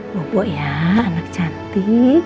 bobo ya anak cantik